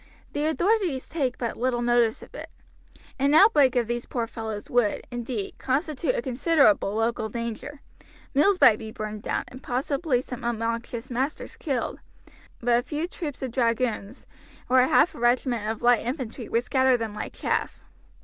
The authorities take but little notice of it. An outbreak of these poor fellows would, indeed, constitute a considerable local danger. Mills might be burned down, and possibly some obnoxious masters killed, but a few troops of dragoons, or half a regiment of light infantry, would scatter them like chaff.